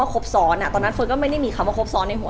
เหมือนนางก็เริ่มรู้แล้วเหมือนนางก็เริ่มรู้แล้ว